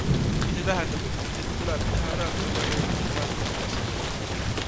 Või see tähendab, et tuleb teha eraldi osakond eraldi kassadega?